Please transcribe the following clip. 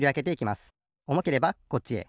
おもければこっちへ。